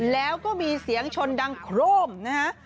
แล้วก็มีเสียงชนดังโครมนะฮะ